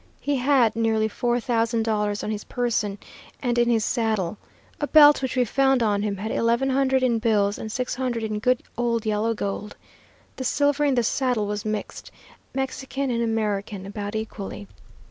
He had nearly four thousand dollars on his person and in his saddle. A belt which we found on him had eleven hundred in bills and six hundred in good old yellow gold. The silver in the saddle was mixed, Mexican and American about equally.